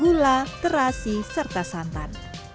gula terasi serta santan